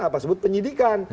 apa yang disebut penyidikan